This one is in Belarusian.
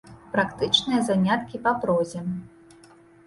Практычныя заняткі па прозе.